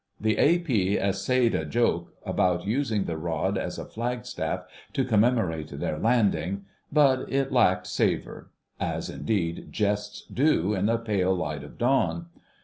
The A.P. essayed a joke about using the rod as a flagstaff to commemorate their landing, but it lacked savour—as indeed jests do in the pale light of dawn.